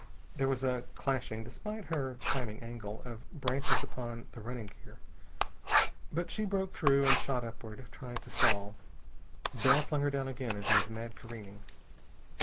There was a clashing, despite her climbing angle, of branches upon the running gear, but she broke through and shot upward, trying to stall. Bell flung her down again into his mad careering.